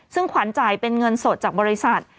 ซึ่งขวัญจ่ายเป็นเงินสดจากบริษัท